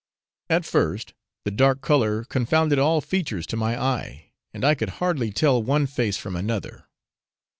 At first the dark colour confounded all features to my eye, and I could hardly tell one face from another.